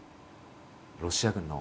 ロシア軍の。